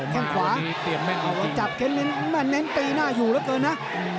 แข้งขวาจับเค้นแม่นเตะหน้าอยู่เหลือเกินนะ